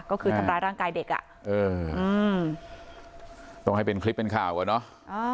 ก็คือทำร้ายร่างกายเด็กอ่ะเอออืมต้องให้เป็นคลิปเป็นข่าวก่อนเนอะ